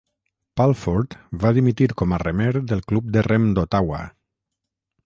Pulford va dimitir com a remer del Club de Rem d'Ottawa.